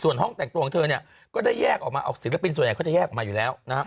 ส่วนห้องแต่งตัวของเธอเนี่ยก็ได้แยกออกมาออกศิลปินส่วนใหญ่เขาจะแยกออกมาอยู่แล้วนะฮะ